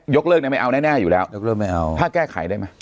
ยกเลิกเนี่ยไม่เอาแน่อีกแล้วถ้าแก้ไขได้มั้ย